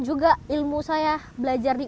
juga ilmu saya belajar di